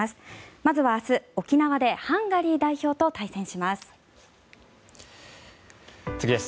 まずは明日、沖縄でハンガリー代表と対戦します。